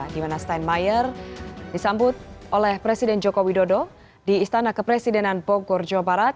di mana steinmeyer disambut oleh presiden joko widodo di istana kepresidenan bogor jawa barat